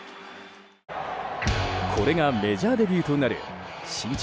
これがメジャーデビューとなる身長